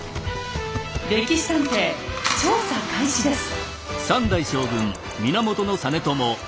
「歴史探偵」調査開始です。